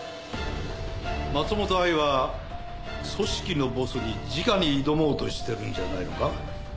松本藍は組織のボスにじかに挑もうとしているんじゃないのか？